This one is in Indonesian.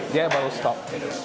dia baru stop